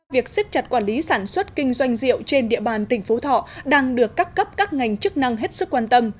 việc xích chặt quản lý sản xuất kinh doanh rượu trên địa bàn tỉnh phú thọ đang được các cấp các ngành chức năng hết sức quan tâm